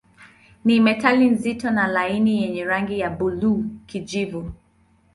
Ni metali nzito na laini yenye rangi ya buluu-kijivu.